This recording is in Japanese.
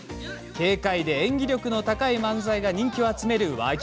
軽快で、演技力の高い漫才が人気を集める和牛。